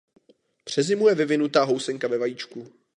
Přezimuje vyvinutá housenka ve vajíčku.